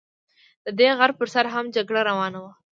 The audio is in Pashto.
د دې غر پر سر هم جګړه روانه وه.